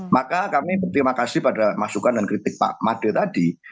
maka kami berterima kasih pada masukan dan kritik pak made tadi